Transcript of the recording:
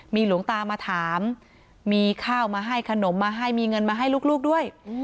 มีหลวงตามาถามมีข้าวมาให้ขนมมาให้มีเงินมาให้ลูกด้วย